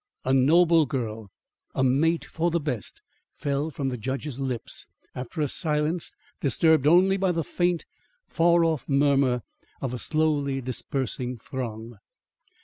"A noble girl! a mate for the best!" fell from the judge's lips after a silence disturbed only by the faint, far off murmur of a slowly dispersing throng.